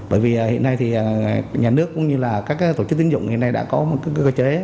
bởi vì hiện nay nhà nước cũng như là các tổ chức tính dụng hiện nay đã có cơ chế